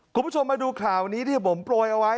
คุณผู้ชมมาดูข่าวนี้ที่ผมโปรยเอาไว้